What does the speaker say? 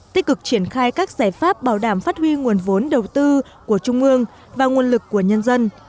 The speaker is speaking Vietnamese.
tích cực triển khai các giải pháp bảo đảm phát huy nguồn vốn đầu tư của trung ương và nguồn lực của nhân dân